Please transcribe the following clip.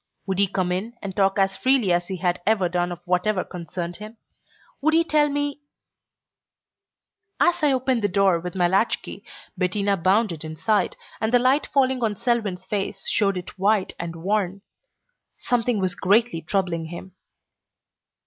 Would he come in and talk as freely as he had ever done of whatever concerned him? Would he tell me As I opened the door with my latch key Bettina bounded inside, and the light falling on Selwyn's face showed it white and worn. Something was greatly troubling him.